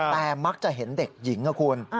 แต่มักจะเห็นเด็กหญิงนะคุณ